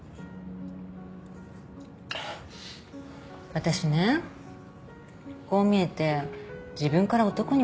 私ねこう見えて自分から男には迫らないの。